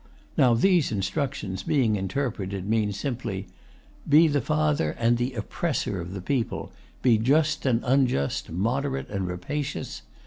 Now these instructions, being interpreted, mean simply, "Be the father and the oppressor of the people; be just and unjust, moderate and rapacious."